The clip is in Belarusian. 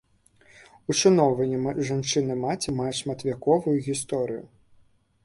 Ушаноўванне жанчыны-маці мае шматвяковую гісторыю.